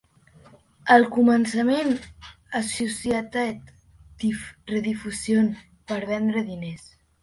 Al començament, Associated Rediffusion va perdre diners.